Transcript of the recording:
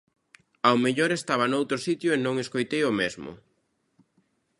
Ao mellor estaba noutro sitio e non escoitei o mesmo.